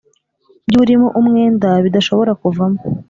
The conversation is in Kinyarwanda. by urimo umwenda bidashobora kuvamo